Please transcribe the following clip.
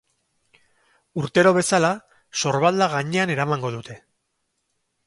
Urtero bezala, sorbalda gainean eramango dute.